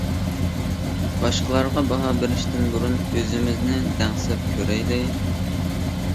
باشقىلارغا باھا بېرىشتىن بۇرۇن، ئۆزىمىزنى دەڭسەپ كۆرەيلى.